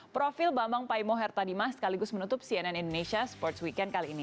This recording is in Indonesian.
profil bambang paimo hertadimas sekaligus menutup cnn indonesia sports weekend kali ini